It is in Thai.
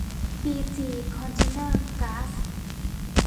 บีจี คอนเทนเนอร์ กล๊าส